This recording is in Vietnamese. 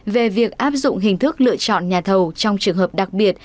về việc áp dụng hình thức lựa chọn nhà thầu trong trường hợp đặc biệt